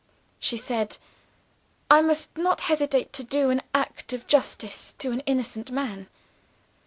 "She said, 'I must not hesitate to do an act of justice to an innocent man.